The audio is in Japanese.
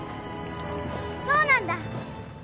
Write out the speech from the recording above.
そうなんだ。